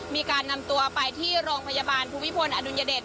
มีการนำตัวไปที่โรงพยาบาลภูมิพลอดุลยเดช